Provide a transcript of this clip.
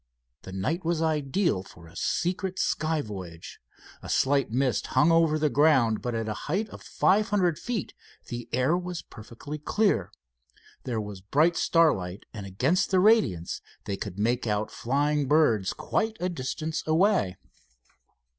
The night was ideal for a secret sky voyage. A slight mist hung over the ground, but at a height of five hundred feet the air was perfectly clear. There was bright starlight, and against the radiance they could make out flying birds quite a distance away.